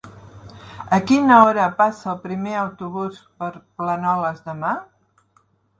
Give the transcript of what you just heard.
A quina hora passa el primer autobús per Planoles demà?